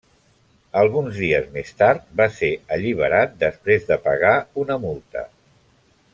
Alguns dies més tard va ser alliberat després de pagar una multa.